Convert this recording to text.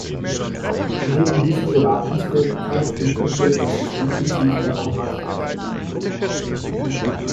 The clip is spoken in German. Neben dieser Beratungstätigkeit widmete er sich intensiv der Heimatforschung.